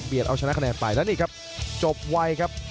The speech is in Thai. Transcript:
เอาชนะคะแนนไปแล้วนี่ครับจบไวครับ